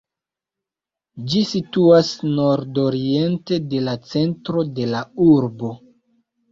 Ĝi situas nordoriente de la centro de la urbo.